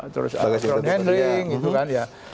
terus ground handling gitu kan ya